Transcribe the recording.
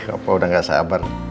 opa udah gak sabar